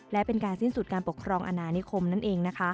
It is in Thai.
และเป็นการสิ้นสุดการปกครองอนานิคมนั่นเองนะคะ